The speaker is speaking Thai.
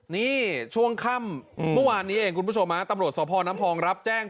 นี่ช่วงค่ำเมื่อวานนี้เองคุณผู้ชมฮะตำรวจสพน้ำพองรับแจ้ง